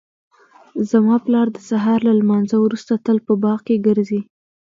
زما پلار د سهار له لمانځه وروسته تل په باغ کې ګرځي